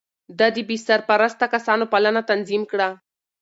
ده د بې سرپرسته کسانو پالنه تنظيم کړه.